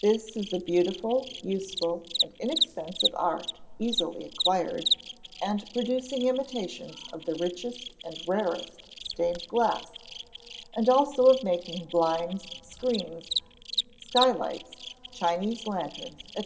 This is a beautiful, useful, and inexpensive art easily acquired, and producing imitations of the richest and rarest stained glass; and also of making blinds, screens, skylights, Chinese lanterns, &c.